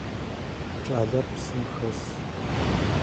Кӏалэр псым хэс.